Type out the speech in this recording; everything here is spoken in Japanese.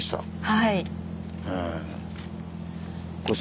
はい。